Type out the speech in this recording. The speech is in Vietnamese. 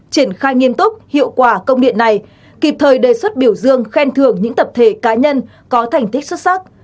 triển khai nghiêm túc hiệu quả công điện này kịp thời đề xuất biểu dương khen thưởng những tập thể cá nhân có thành tích xuất sắc